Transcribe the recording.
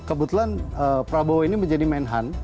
kebetulan prabowo ini menjadi main hand